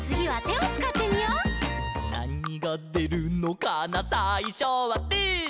「なにがでるのかなさいしょはぶー」